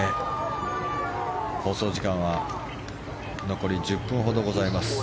放送時間は残り１０分ほどございます。